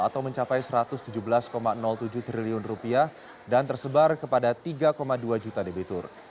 atau mencapai rp satu ratus tujuh belas tujuh triliun dan tersebar kepada tiga dua juta debitur